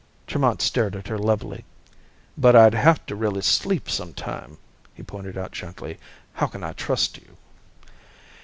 Tremont stared at her levelly. "But I'd have to really sleep sometime," he pointed out gently. "How can I trust you...?"